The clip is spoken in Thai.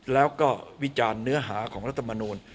แล้วก็วิจารณ์เนื้อหาของรัฐมนูล